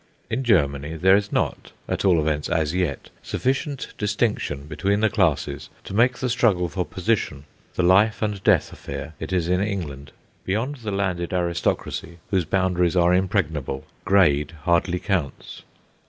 In Germany there is not, at all events as yet, sufficient distinction between the classes to make the struggle for position the life and death affair it is in England. Beyond the landed aristocracy, whose boundaries are impregnable, grade hardly counts.